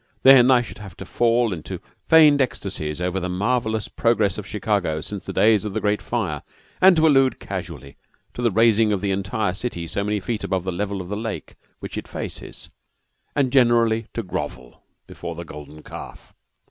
Then I should have to fall into feigned ecstasies over the marvellous progress of Chicago since the days of the great fire, to allude casually to the raising of the entire city so many feet above the level of the lake which it faces, and generally to grovel before the golden calf.